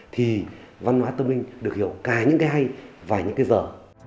thì văn hóa tâm linh được hiểu cả những cái hay và những cái giờ